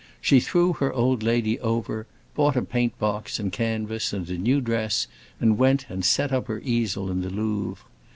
She threw her old lady over, bought a paint box, a canvas, and a new dress, and went and set up her easel in the Louvre.